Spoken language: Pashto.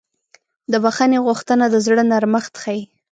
د بښنې غوښتنه د زړه نرمښت ښیي.